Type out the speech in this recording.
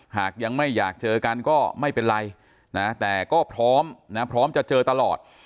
หากยังไม่อยากเจอกันก็ไม่เป็นไรนะแต่ก็พร้อมนะพร้อมจะเจอตลอด